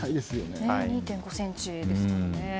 ２．５ｃｍですもんね。